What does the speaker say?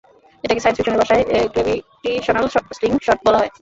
এটাকে সায়েন্স ফিকশনের ভাষায় গ্র্যাভিটিশনাল স্লিং শট বলা হয়।